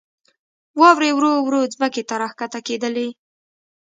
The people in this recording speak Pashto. واورې ورو ورو ځمکې ته راکښته کېدلې.